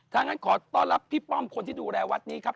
ถ้างั้นขอต้อนรับพี่ป้อมคนที่ดูแลวัดนี้ครับ